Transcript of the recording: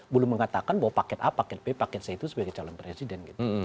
belum mengatakan bahwa paket a paket p paket c itu sebagai calon presiden gitu